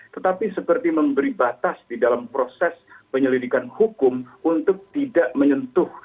tetapi seperti memberi batas di dalam proses penyelidikan hukum untuk tidak menyentuh